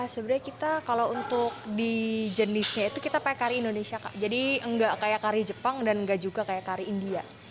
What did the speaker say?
sebenarnya kita kalau untuk di jenisnya itu kita pakai kari indonesia kak jadi enggak kayak kari jepang dan nggak juga kayak kari india